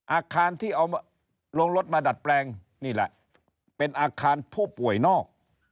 อาคารที่เอาลงรถมาดัดแปลงนี่แหละเป็นอาคารผู้ป่วยนอก